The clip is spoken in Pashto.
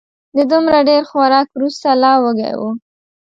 د دومره ډېر خوراک وروسته لا وږی و